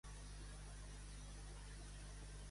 Cignal, l'operador de torres irlandès, és adquirit per Cellnex.